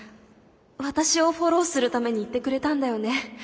私をフォローするために言ってくれたんだよね。